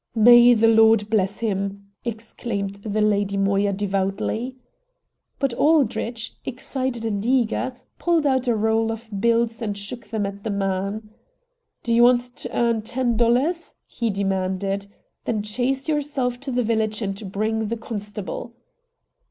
"May the Lord bless him!" exclaimed the Lady Moya devoutly. But Aldrich, excited and eager, pulled out a roll of bills and shook them at the man. "Do you want to earn ten dollars?" he demanded; "then chase yourself to the village and bring the constable."